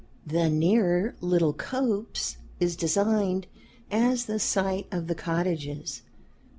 The nearer little copse is designed as the site of the cottages.